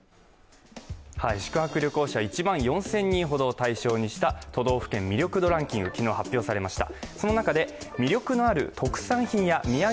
宿泊旅行者１万４０００人ほどを対象にした都道府県魅力度ランキングが昨日発表されました。